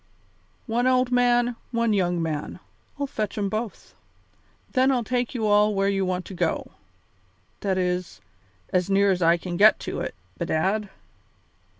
One old man, one young man I'll fetch 'em both. Then I'll take you all where you want to go to. That is, as near as I can get to it, bedad.